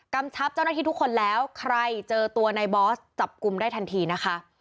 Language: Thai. ชับเจ้าหน้าที่ทุกคนแล้วใครเจอตัวในบอสจับกลุ่มได้ทันทีนะคะ